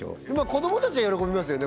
子どもたちは喜びますよね